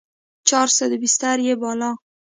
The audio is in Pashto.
چارصد بستر يې باله.